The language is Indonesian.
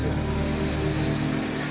kita harus istirahat di mobil